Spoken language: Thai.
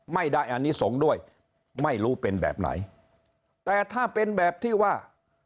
ไม่ได้อนิสงฆ์ด้วยไม่รู้เป็นแบบไหนแต่ถ้าเป็นแบบที่ว่า